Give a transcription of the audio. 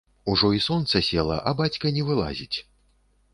Ужо і сонца села, а бацька не вылазіць.